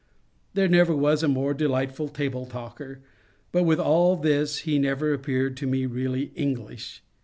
There never was a more delightful table talker. But with all this he never appeared to me really English.